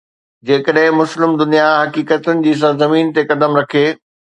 جيڪڏهن مسلم دنيا حقيقتن جي سرزمين تي قدم رکي.